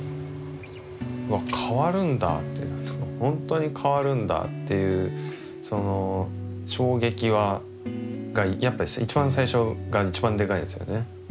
わっ変わるんだってほんとに変わるんだっていうその衝撃はやっぱ一番最初が一番デカイですよね。